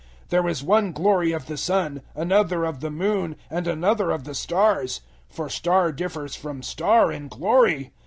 015:041 There is one glory of the sun, another of the moon, and another of the stars; for star differs from star in glory.